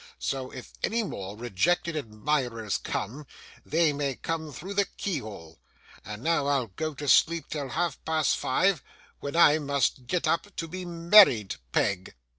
So, if any more rejected admirers come, they may come through the keyhole. And now I'll go to sleep till half past five, when I must get up to be married, Peg!